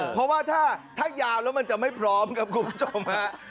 เพราะว่าถ้ายาวแล้วมันจะไม่พร้อมครับคุณผู้ชมฮะ